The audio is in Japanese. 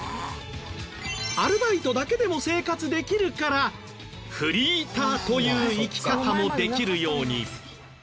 アルバイトだけでも生活できるからフリーターという生き方もできるように。